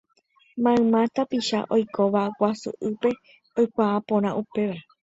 Mayma tapicha oikóva Guasu'ýpe oikuaa porã upéva.